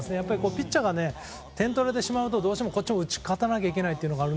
ピッチャーが点を取られてしまうとどうしてもこっちも打ち勝たなきゃいけないというのがある。